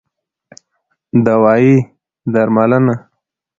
دوايي √ درملنه